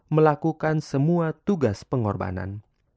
melakukan semua tugas pengorbanan